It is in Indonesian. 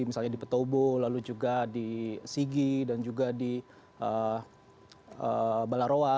misalnya di petobo lalu juga di sigi dan juga di balaroa